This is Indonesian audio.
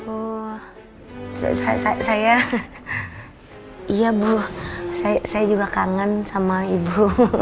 oh saya iya bu saya juga kangen sama ibu